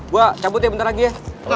gue cabut ya bentar lagi ya